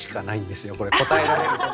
これ答えられるところが。